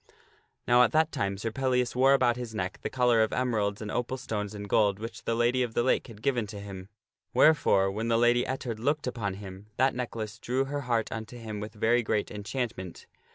Now at that time Sir Pellias wore about his neck the collar of emeralds and opal stones and gold which the Lady of the Lake had given to him. Wherefore, when the Lady Ettard looked upon him, that necklace drew her heart unto him with very great enchantment.